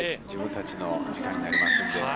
自分たちの時間になりますので。